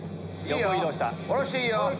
下ろしていいよ。